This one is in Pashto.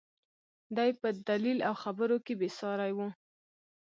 دى په دليل او خبرو کښې بې سارى و.